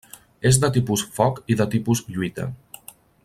És de tipus foc i de tipus lluita.